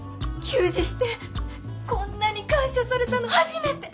給仕してこんなに感謝されたの初めて！